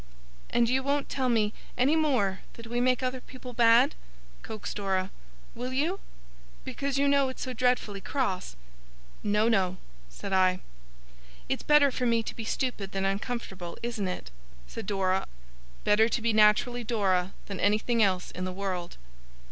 'And you won't tell me, any more, that we make other people bad,' coaxed Dora; 'will you? Because you know it's so dreadfully cross!' 'No, no,' said I. 'It's better for me to be stupid than uncomfortable, isn't it?' said Dora. 'Better to be naturally Dora than anything else in the world.